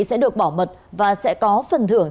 sẽ được bỏ mật và sẽ có phần thưởng